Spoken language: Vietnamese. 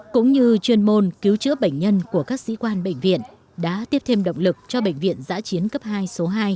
cũng như chuyên môn cứu chữa bệnh nhân của các sĩ quan bệnh viện đã tiếp thêm động lực cho bệnh viện giã chiến cấp hai số hai